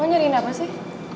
mau nyariin apa sih